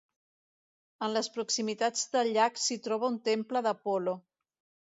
En les proximitats del llac s'hi troba un Temple d'Apol·lo.